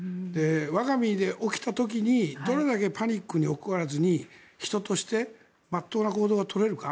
我が身に起きた時にどれだけパニックにならずに人として真っ当な行動が取れるか。